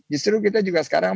justru kita juga sekarang